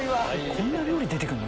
こんな料理出て来るの？